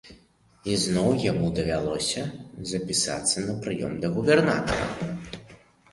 І зноў яму давялося запісвацца на прыём да губернатара.